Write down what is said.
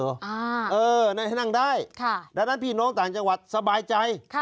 เออได้ให้นั่งได้ดังนั้นพี่น้องต่างจังหวัดสบายใจ